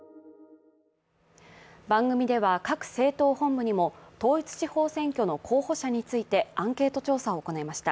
番組では各政党本部にも統一地方選挙の候補者についてアンケート調査を行いました。